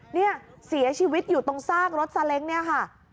เนี่ยเสียชีวิตอยู่ตรงซากรถซาเล้งเนี่ยค่ะ